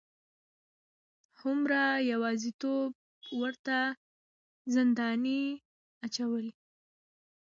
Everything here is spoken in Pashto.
هومره یوازیتوب ورته زندۍ اچوله.